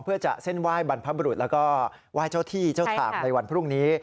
เพื่อจะเส้นไหว้บรรพบรุษแล้วก็ไหว้เจ้าที่เจ้าทางในวันพรุ่งนี้